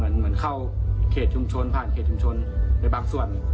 เหมือนเข้าเขตชุมชนผ่านเขตชุมชนในบางส่วน